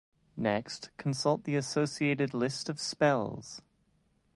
Next, consult the associated list of spells.